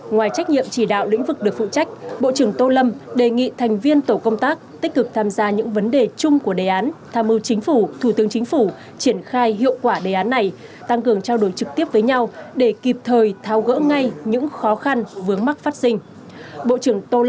ngoài trách nhiệm chỉ đạo lĩnh vực được phụ trách bộ trưởng tô lâm đề nghị thành viên tổ công tác tích cực tham gia những vấn đề chung của đề án tham mưu chính phủ thủ tướng chính phủ triển khai hiệu quả đề án này tăng cường trao đổi trực tiếp với nhau để kịp thời thao gỡ ngay những khó khăn vướng mắc phát sinh